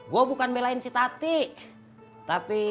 gue bukan belain si tati tapi